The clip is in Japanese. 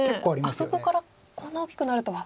あそこからこんな大きくなるとは。